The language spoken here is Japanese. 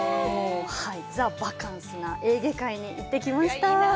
ザ・バカンスなエーゲ海に行ってきました。